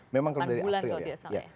memang kalau dari april ya